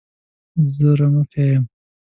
زه رمه پیايم.